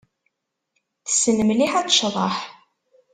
Tessen mliḥ ad tecḍeḥ.